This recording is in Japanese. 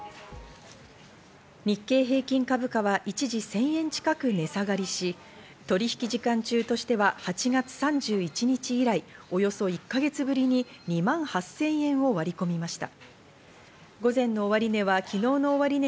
日経平均株価は一時１０００円近く値下がりし、取引時間中としては８月３１日以来、およそ１か月ぶりに２万８０００円を割り込みました。